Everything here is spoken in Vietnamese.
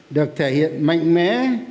được thể hiện mạnh mẽ